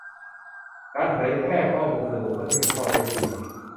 การเผยแพร่ข้อมูลส่วนบุคคลที่เป็นข้อเท็จจริง